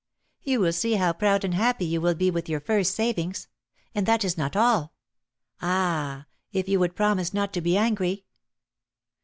"You will see how proud and happy you will be with your first savings; and that is not all ah, if you would promise not to be angry!"